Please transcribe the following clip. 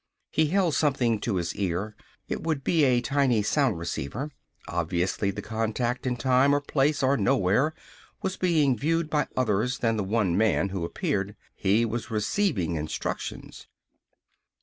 He held something to his ear. It would be a tiny sound receiver. Obviously the contact in time or place or nowhere was being viewed by others than the one man who appeared. He was receiving instructions.